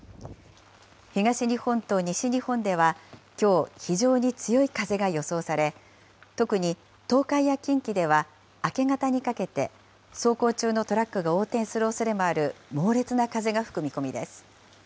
東日本と西日本ではきょう、非常に強い風が予想され、特に東海や近畿では明け方にかけて、走行中のトラックが横転するおそれもある猛烈な風が吹く見込みです。